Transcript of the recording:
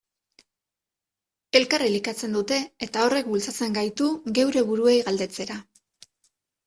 Elkar elikatzen dute, eta horrek bultzatzen gaitu geure buruei galdetzera.